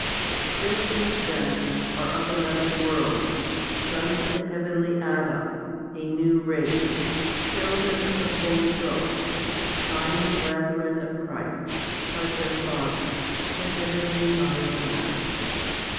8. Christians then are of another world, sons of the heavenly Adam, a new race, children of the Holy Ghost, shining brethren of Christ, like their Father, the heavenly shining Adam.